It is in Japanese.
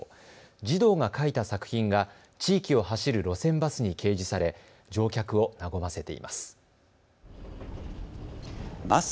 児童が描いた作品が地域を走る路線バスに掲示され乗客を和ませています。